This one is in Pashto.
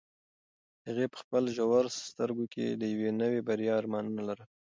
هغې په خپلو ژورو سترګو کې د یوې نوې بریا ارمانونه لرل.